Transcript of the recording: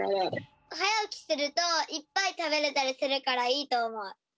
はやおきするといっぱいたべれたりするからいいとおもう。